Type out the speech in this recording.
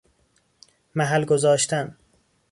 محل گذاشتن